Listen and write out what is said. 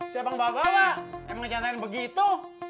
siapa bawa bawa emang cantain begitu